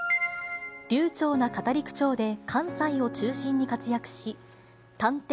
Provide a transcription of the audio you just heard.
流ちょうな語り口調で関西を中心に活躍し、探偵！